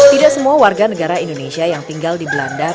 tidak semua warga negara indonesia yang tinggal di belanda